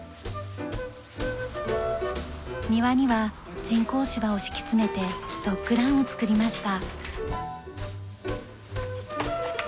庭には人工芝を敷き詰めてドッグランを作りました。